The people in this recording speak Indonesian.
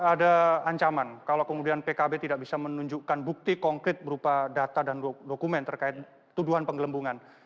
ada ancaman kalau kemudian pkb tidak bisa menunjukkan bukti konkret berupa data dan dokumen terkait tuduhan penggelembungan